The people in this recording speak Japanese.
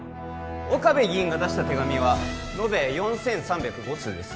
岡部議員が出した手紙は延べ４３０５通です